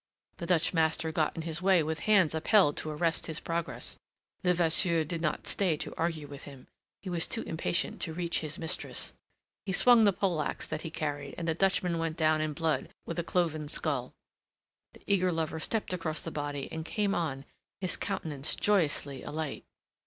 The Dutch master got in his way with hands upheld to arrest his progress. Levasseur did not stay to argue with him: he was too impatient to reach his mistress. He swung the poleaxe that he carried, and the Dutchman went down in blood with a cloven skull. The eager lover stepped across the body and came on, his countenance joyously alight.